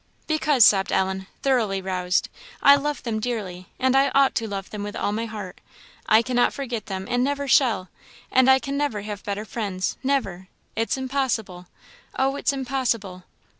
"Because," sobbed Ellen, thoroughly roused, "I love them dearly! and I ought to love them with all my heart. I cannot forget them, and never shall; and I can never have better friends never! it's impossible Oh, it's impossible."